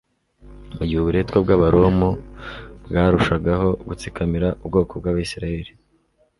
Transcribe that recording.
mu gihe uburetwa bw'Abaroma bwarushagaho gutsikamira ubwoko bw'Abisirayeli,